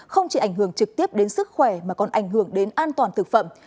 không chỉ ảnh hưởng trực tiếp đến sức khỏe mà còn ảnh hưởng đến an toàn thực phẩm